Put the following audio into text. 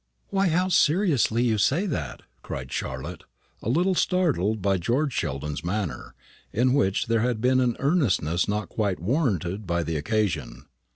"Why, how seriously you say that!" cried Charlotte, a little startled by George Sheldon's manner, in which there had been an earnestness not quite warranted by the occasion.